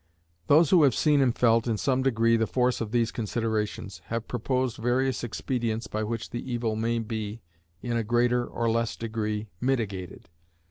Those who have seen and felt, in some degree, the force of these considerations, have proposed various expedients by which the evil may be, in a greater or less degree, mitigated.